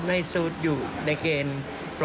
น่าใช่มั้ยครับ